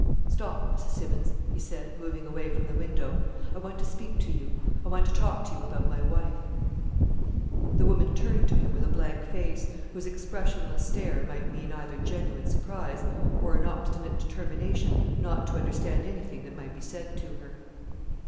"Stop, Mrs. Simmons," he said, moving away from the window; "I want to speak to you; I want to talk to you about my wife." The woman turned to him with a blank face, whose expressionless stare might mean either genuine surprise or an obstinate determination not to understand anything that might be said to her.